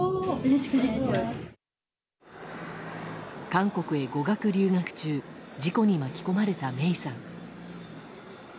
韓国へ語学留学中事故に巻き込まれた芽生さん。